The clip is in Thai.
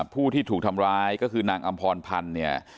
ผู้ที่ถูกทำร้ายก็คือนางอำพรพันธ์เนี่ย